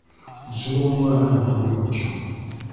Olususu lw'omuwala nalwo bwe lutyo.